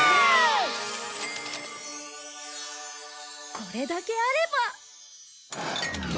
これだけあれば。